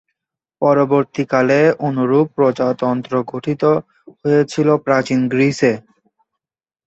পরবর্তীকালে অনুরূপ প্রজাতন্ত্র গঠিত হয়েছিল প্রাচীন গ্রিসে।